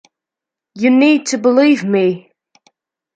You need to believe me.